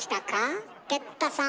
哲太さん。